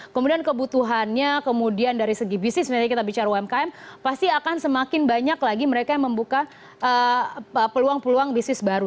kemudian kebutuhannya kemudian dari segi bisnis misalnya kita bicara umkm pasti akan semakin banyak lagi mereka yang membuka peluang peluang bisnis baru